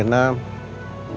tolong jagain adin ya